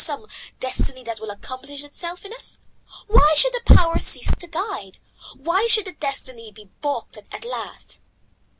Some Destiny that will accomplish itself in us. Why should the Power cease to guide? Why should the Destiny be baulked at last?"